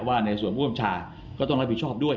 ว่าในส่วนผู้บัญชาก็ต้องรับผิดชอบด้วย